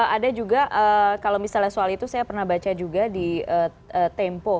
ada juga kalau misalnya soal itu saya pernah baca juga di tempo